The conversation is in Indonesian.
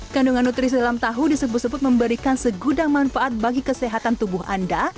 kandungan nutrisi dalam tahu disebut sebut memberikan segudang manfaat bagi kesehatan tubuh anda